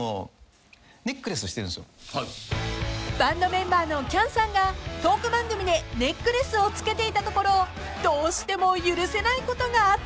［バンドメンバーの喜矢武さんがトーク番組でネックレスを着けていたところどうしても許せないことがあったんだとか］